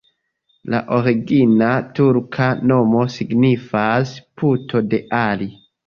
La origina turka nomo signifas: puto de Ali.